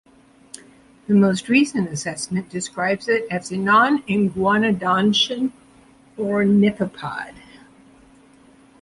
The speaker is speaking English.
The most recent assessment describes it as a non-iguanodontian ornithopod.